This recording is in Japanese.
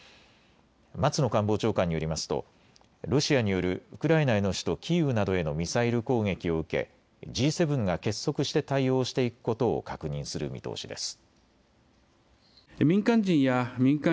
松野官房長官によりますとロシアによるウクライナの首都キーウなどへのミサイル攻撃を受けＧ７が結束して対応していくことを確認する見通しです。